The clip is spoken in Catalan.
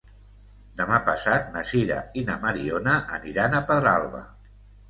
Demà passat na Sira i na Mariona aniran a Pedralba.